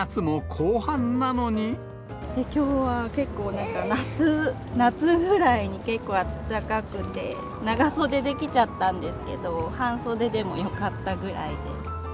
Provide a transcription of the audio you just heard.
きょうは結構、なんか夏ぐらいに結構暖かくて、長袖で来ちゃったんですけど、半袖でもよかったぐらいで。